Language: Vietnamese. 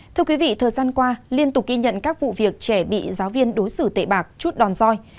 thưa quý vị thời gian qua liên tục ghi nhận các vụ việc trẻ bị giáo viên đối xử tệ bạc chút đòn roi